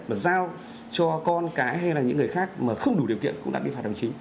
mà giao cho con cái hay là những người khác mà không đủ điều kiện cũng đã bị phạt